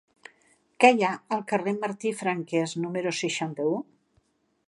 Què hi ha al carrer de Martí i Franquès número seixanta-u?